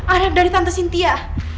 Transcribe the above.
anak dari tante sintia